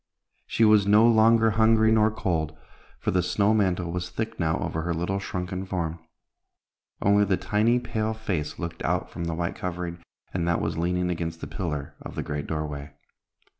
She was no longer hungry nor cold, for the snow mantle was thick now over her little shrunken form. Only the tiny pale face looked out from the white covering, and that was leaning against the pillar of the great doorway.